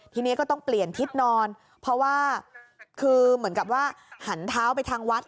ทีนี้ก็ต้องเปลี่ยนทิศนอนเพราะว่าคือเหมือนกับว่าหันเท้าไปทางวัด